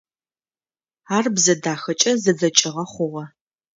Ар бзэ дахэкӏэ зэдзэкӏыгъэ хъугъэ.